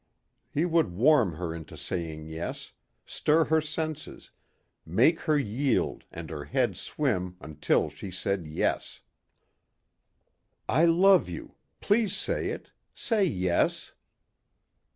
He would warm her into saying yes, stir her senses, make her yield and her head swim until she said yes. "I love you. Please say it. Say yes."